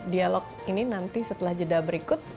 dialog ini nanti setelah jeda berikut